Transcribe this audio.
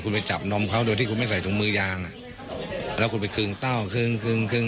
คุณไปจับนมเขาโดยที่คุณไม่ใส่ถุงมือยางอ่ะแล้วคุณไปครึ่งเต้าครึ่งครึ่ง